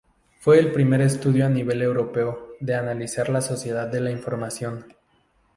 Fue el primer estudio a nivel europeo de analizar la sociedad de la información.